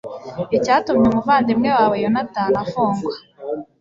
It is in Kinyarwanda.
icyatumye umuvandimwe wawe yonatani afungwa